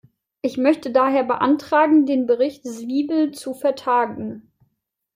Ich möchte daher beantragen, den Bericht Swiebel zu vertagen.